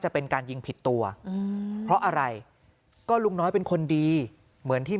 เป็นการยิงผิดตัวอืมเพราะอะไรก็ลุงน้อยเป็นคนดีเหมือนที่